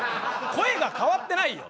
声変わってない？